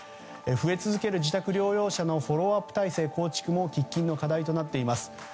増え続ける自宅療養者のフォローアップ体制の構築も喫緊の課題となっています。